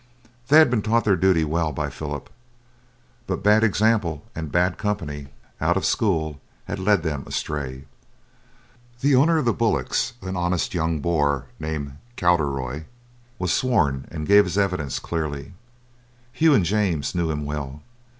They had been taught their duty well by Philip, but bad example and bad company out of school had led them astray. The owner of the bullocks, an honest young boor named Cowderoy, was sworn and gave his evidence clearly. Hugh and James knew him well.